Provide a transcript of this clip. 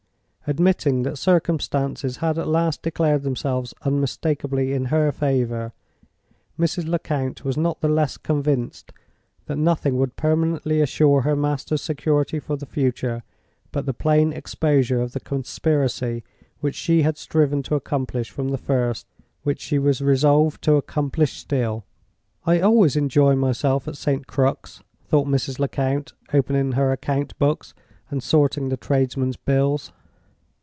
Admitting that circumstances had at last declared themselves unmistakably in her favor, Mrs. Lecount was not the less convinced that nothing would permanently assure her master's security for the future but the plain exposure of the conspiracy which she had striven to accomplish from the first—which she was resolved to accomplish still. "I always enjoy myself at St. Crux," thought Mrs. Lecount, opening her account books, and sorting the tradesmen's bills.